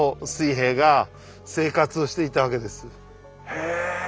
へえ！